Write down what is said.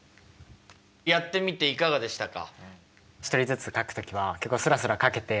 やってみていかがでしたか？